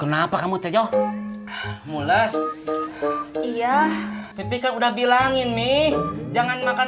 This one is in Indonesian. kenapa kamu terjauh mulas iya pipikan udah bilangin nih jangan makan